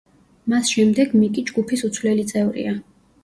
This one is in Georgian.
მას შემდეგ მიკი ჯგუფის უცვლელი წევრია.